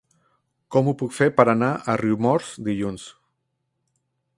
Com ho puc fer per anar a Riumors dilluns?